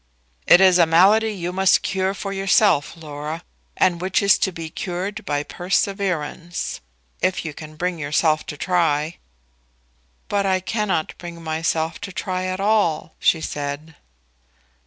"It is a malady you must cure for yourself, Laura; and which is to be cured by perseverance. If you can bring yourself to try " "But I cannot bring myself to try at all," she said.